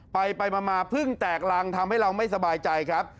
ไปมาเพิ่งแตกรังทำให้เราไม่สบายใจครับ